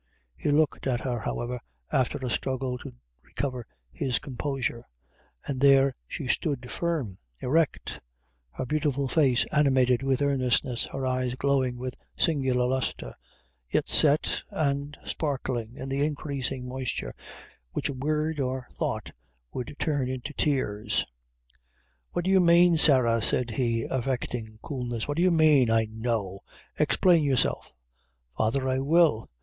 He looked at her, however, after a struggle to recover his composure, and there she stood firm erect; her beautiful face animated with earnestness, her eyes glowing with singular lustre, yet set, and sparkling in the increasing moisture which a word or thought would turn into tears. "What do you mane, Sarah?" said he, affecting coolness; "What do you mane? I know! Explain yourself." "Father, I will.